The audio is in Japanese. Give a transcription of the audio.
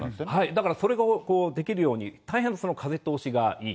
だからそれができるように、大変風通しがいい。